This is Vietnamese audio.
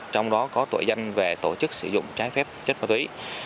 trong đó có tội danh về tổ chức sử dụng trái phép chất ma túy